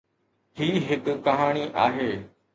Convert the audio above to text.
هي هڪ ڪهاڻي آهي.